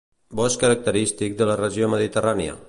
Bosc característic de la regió mediterrània.